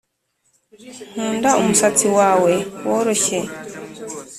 nkunda umusatsi wawe woroshye